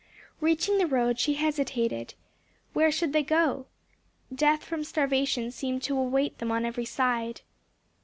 Reaching the road she hesitated. Where should they go to? Death from starvation seemed to await them on every side.